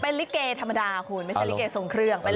เป็นริเกย์ธรรมดาคุณไม่ใช่ริเกย์ส่งเครื่องอาโหล